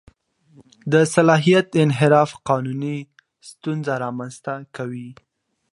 د صلاحیت انحراف قانوني ستونزه رامنځته کوي.